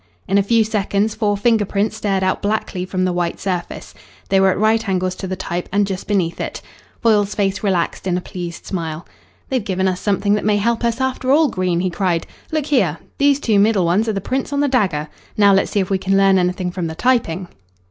In a few seconds four finger prints stared out blackly from the white surface. They were at right angles to the type, and just beneath it. Foyle's face relaxed in a pleased smile. "They've given us something that may help us, after all, Green," he cried. "Look here; these two middle ones are the prints on the dagger. Now let's see if we can learn anything from the typing."